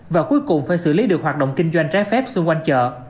bộ y tế đã xử lý được hoạt động kinh doanh trái phép xung quanh chợ